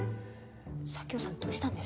佐京さんどうしたんです？